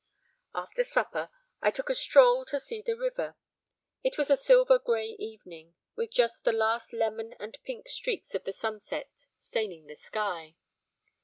After supper, I took a stroll to see the river. It was a silver grey evening, with just the last lemon and pink streaks of the sunset staining the sky.